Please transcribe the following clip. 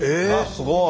すごい！